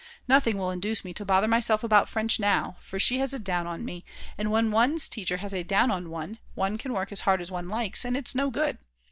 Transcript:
Nothing will induce me to bother myself about French now, for she has a down on me, and when one's teacher has a down on one, one can work as hard as one likes and it's no good.